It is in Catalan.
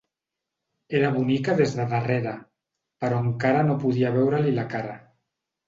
Era bonica des de darrere, però encara no podia veure-li la cara.